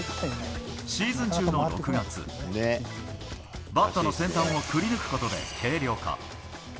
シーズン中の６月、バットの先端をくりぬくことで軽量化。